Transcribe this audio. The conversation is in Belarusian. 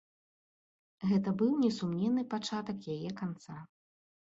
Гэта быў несумненны пачатак яе канца.